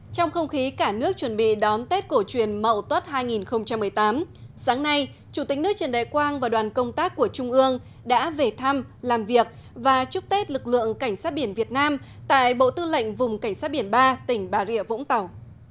trong không khí cả nước chuẩn bị đón tết cổ truyền mậu tuất hai nghìn một mươi tám sáng nay chủ tịch nước trần đại quang và đoàn công tác của trung ương đã về thăm làm việc và chúc tết lực lượng cảnh sát biển việt nam tại bộ tư lệnh vùng cảnh sát biển ba tỉnh bà rịa vũng tàu